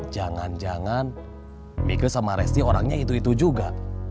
jangan jangan michael sama resti orangnya itu itu juga